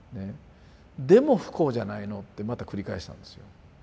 「でも不幸じゃないの」ってまた繰り返したんですよ。